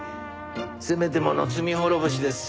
せめてもの罪滅ぼしです。